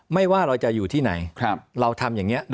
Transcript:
ไม่ว่าเราจะอยู่ที่ไหน